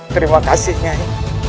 terima kasih nyai